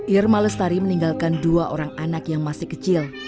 irma lestari meninggalkan dua orang anak yang masih kecil